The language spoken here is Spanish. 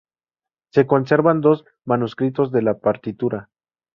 Se conservan dos manuscritos de la partitura.